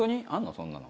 そんなの。